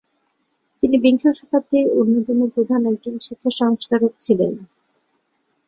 তিনি বিংশ শতাব্দীর অন্যতম প্রধান একজন শিক্ষা সংস্কারক ছিলেন।